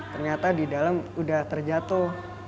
ternyata di dalam udah terjatuh